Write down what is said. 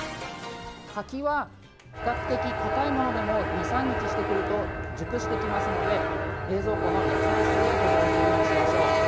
柿は比較的かたいものでも２３日してくると熟してきますので冷蔵庫の野菜室で保存するようにしましょう。